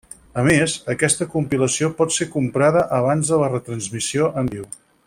A més, aquesta compilació pot ser comprada abans de la retransmissió en viu.